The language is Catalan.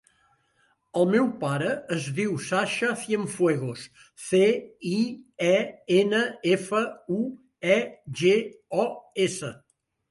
El meu pare es diu Sasha Cienfuegos: ce, i, e, ena, efa, u, e, ge, o, essa.